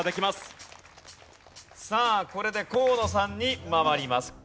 さあこれで河野さんに回ります。